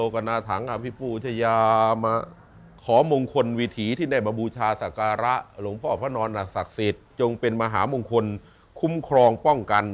ขอมงคลวิถีที่ได้มาบูชาสักการะหลวงพ่อพนรน่าศักดิ์สิทธิ์จงเป็นมหามงคลคุ้มครองป้องกัน